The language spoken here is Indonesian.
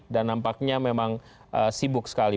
dan nampaknya memang sibuk sekali